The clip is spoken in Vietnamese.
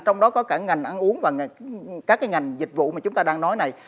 trong đó có cả ngành ăn uống và các cái ngành dịch vụ mà chúng ta đang nói này